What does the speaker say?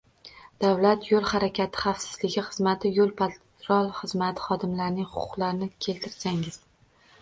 Davlat yo‘l harakati xavfsizligi xizmati Yo‘l-patrul xizmati xodimlarining huquqlarini keltirsangiz?